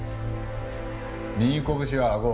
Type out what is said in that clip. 右拳はあご。